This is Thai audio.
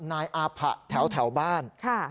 นายอาผะแถวบ้าน